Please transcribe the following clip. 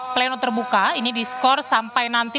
pleno terbuka ini diskor sampai nanti